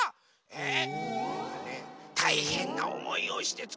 えっ！